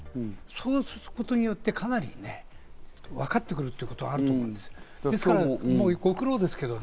そうすることによってかなりわかってくるということがあると思います。